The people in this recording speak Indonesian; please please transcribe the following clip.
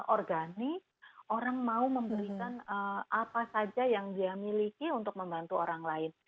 organik orang mau memberikan apa saja yang dia miliki untuk membantu orang lain